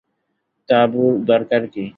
তাঁবুর দরকার কী?